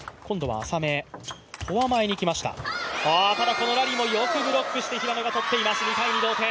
このラリーもよくブロックして平野が取っています。